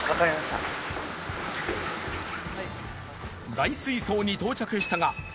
大水槽に到着したがはい。